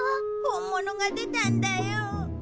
本物が出たんだよ。